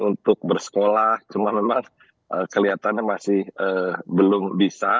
untuk bersekolah cuma memang kelihatannya masih belum bisa